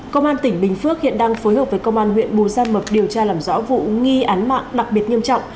công an tỉnh bình phước hiện đang phối hợp với công an huyện bù gia mập điều tra làm rõ vụ nghi án mạng đặc biệt nghiêm trọng